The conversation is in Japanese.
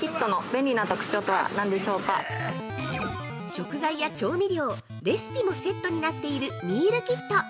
◆食材や調味料、レシピもセットになっているミールキット。